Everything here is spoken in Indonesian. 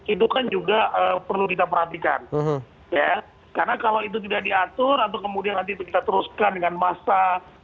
itu kan juga perlu kita perhatikan ya karena kalau itu tidak diatur atau kemudian nanti kita teruskan dengan massa